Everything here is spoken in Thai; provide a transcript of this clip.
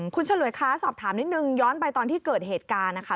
คุณฉลวยคะสอบถามนิดนึงย้อนไปตอนที่เกิดเหตุการณ์นะคะ